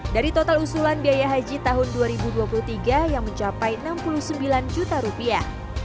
dari total usulan biaya haji tahun dua ribu dua puluh tiga yang mencapai enam puluh sembilan juta rupiah